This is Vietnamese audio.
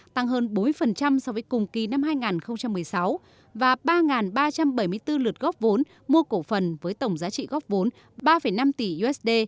tăng hơn bốn so với cùng kỳ năm hai nghìn một mươi sáu và ba ba trăm bảy mươi bốn lượt góp vốn mua cổ phần với tổng giá trị góp vốn ba năm tỷ usd